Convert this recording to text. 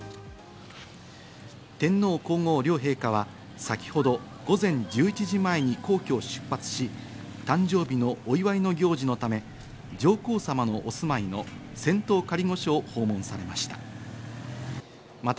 天皇皇后両陛下は先ほど午前１１時前に皇居を出発し、誕生日のお祝いの行事のため、上皇さまのお住まいの仙洞仮御所を訪問されました。